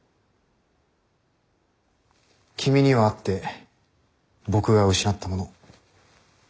君にはあって僕が失ったもの。